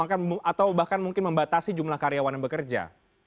atau bahkan mungkin membatasi jumlah karyawan yang bekerja